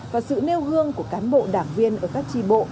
và sự nêu gương của cán bộ đảng viên ở các tri bộ